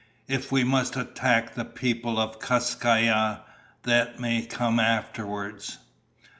"If we must attack the people of Kas Kai Ya, that may come afterwards."